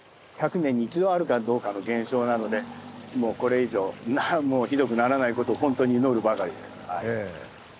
１００年に一度あるかどうかの現象なのでもうこれ以上ひどくならないことをほんとに祈るばかりです。